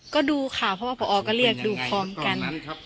ก็ดูค่ะเพราะว่าพอก็เรียกดูพร้อมกัน